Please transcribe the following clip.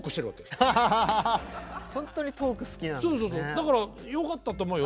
だからよかったと思うよ。